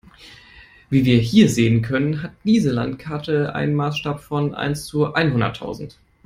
Wie wir hier sehen können, hat diese Landkarte einen Maßstab von eins zu einhunderttausend.